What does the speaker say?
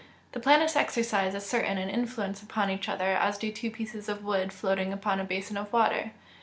_ The planets exercise as certain an influence upon each other as do two pieces of wood floating upon a basin of water.